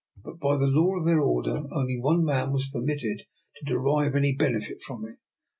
But by the law of their order only one man was permitted to derive any benefit from it.